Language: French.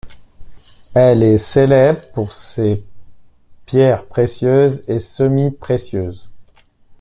Elle est célèbre pour ses pierres précieuses et semi-précieuses.